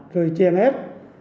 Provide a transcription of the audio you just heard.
rồi chèn ép